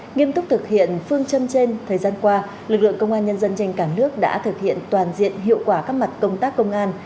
nghiêm túc thực hiện phương châm trên thời gian qua lực lượng công an nhân dân trên cả nước đã thực hiện toàn diện hiệu quả các mặt công tác công an